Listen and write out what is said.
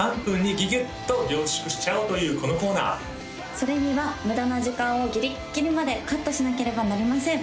それには無駄な時間をギリッギリまでカットしなければなりません